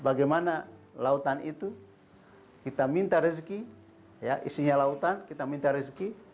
bagaimana lautan itu kita minta rezeki ya isinya lautan kita minta rezeki